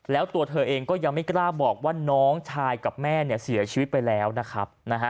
แล้วตัวเธอเองก็ยังไม่กล้าบอกว่าน้องชายกับแม่เนี่ยเสียชีวิตไปแล้วนะครับ